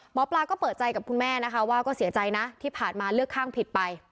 หมอปลาก็เปิดใจกับคุณแม่นะคะว่าก็เสียใจนะที่ผ่านมาเลือกข้างผิดไป